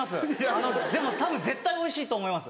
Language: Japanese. あのでもたぶん絶対おいしいと思います。